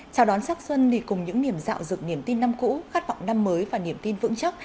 chào đón sắc xuân thì cùng những niềm dạo dựng niềm tin năm cũ khát vọng năm mới và niềm tin vững chắc